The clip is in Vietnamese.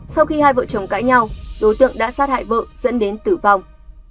sau khi hai vợ chồng cãi nhau đối tượng đã sát hại vợ dẫn đến tử vong